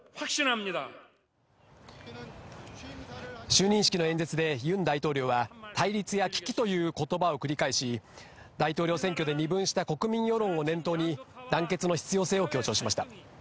就任式の演説でユン大統領は、対立や危機ということばを繰り返し、大統領選挙で二分した国民世論を念頭に、団結の必要性を強調しました。